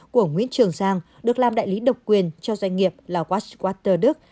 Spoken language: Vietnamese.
của ông nguyễn trường giang được làm đại lý độc quyền cho doanh nghiệp lauchwater đức